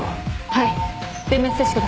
はい。